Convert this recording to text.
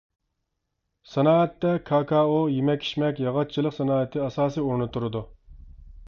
سانائەتتە كاكائو، يېمەك-ئىچمەك، ياغاچچىلىق سانائىتى ئاساسىي ئورۇندا تۇرىدۇ.